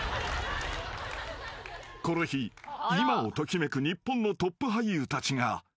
［この日今を時めく日本のトップ俳優たちが］